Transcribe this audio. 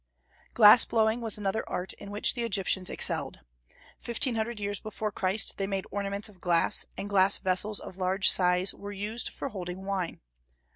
Glass blowing was another art in which the Egyptians excelled. Fifteen hundred years before Christ they made ornaments of glass, and glass vessels of large size were used for holding wine.